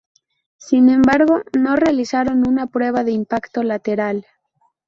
Sin embargo, no realizaron una prueba de impacto lateral.